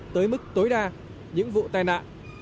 tới mức tối đa những vụ tai nạn